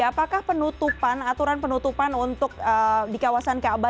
apakah penutupan aturan penutupan untuk di kawasan kaabah